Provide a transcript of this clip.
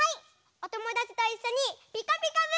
おともだちといっしょに「ピカピカブ！」